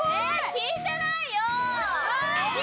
聞いてない！